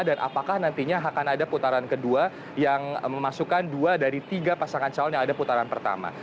apakah nantinya akan ada putaran kedua yang memasukkan dua dari tiga pasangan calon yang ada putaran pertama